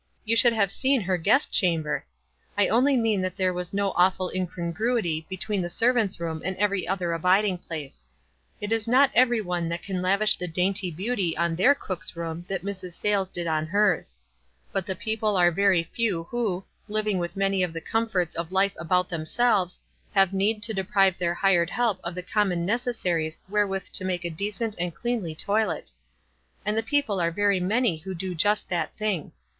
You should have seen her guest chamber ! I only mean that there was no awful incongruity be tween the servant's room and every other abid ing place. It is not every one that can lavish the dainty beauty on their cook's room that Mrs. Sayles did on hers. But the people are very few who, living with many of the comforts of life about themselves, have need to deprive their hired help of the common necessaries wherewith to make a decent and cleanly toilet. And the people are very many who do just that thing.